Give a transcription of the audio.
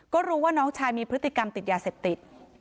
ก็รู้ว่าน้องชายมีพฤติกรรมติดยาเสพติด